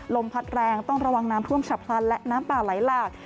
ลมพัดแรงต้องระวังน้ำท่วมฉับพลันและน้ำป่าไหลหลาก